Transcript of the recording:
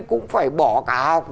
cũng phải bỏ cả học